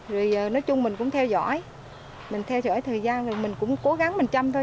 rồi nói chung mình cũng theo dõi mình theo dõi thời gian rồi mình cũng cố gắng mình chăm thôi